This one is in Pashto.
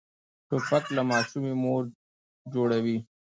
توپک له ماشومې مور جوړوي.